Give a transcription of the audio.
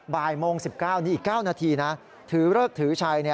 บ่ายโมง๑๙นี้อีก๙นาทีนะถือเลิกถือชัย